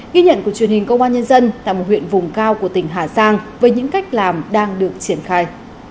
ghi nhận của truyền hình công an nhân dân tại một huyện vùng cao của tỉnh hà giang với những cách làm đang được triển khai